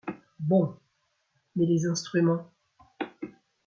Bon ; mais les instruments ?